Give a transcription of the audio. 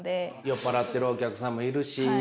酔っ払っているお客さんもいるし。